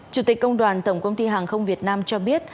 chủ tịch công đoàn tổng công ty hàng không việt nam cho biết